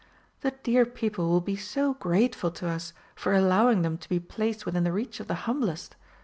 The dear people will be so grateful to us for allowing them to be placed within the reach of the humblest.